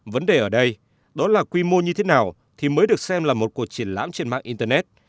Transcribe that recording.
vấn đề ở đây đó là quy mô như thế nào thì mới được xem là một cuộc triển lãm trên mạng internet